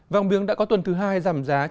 vòng biếng đã có tuần thứ hai giảm giá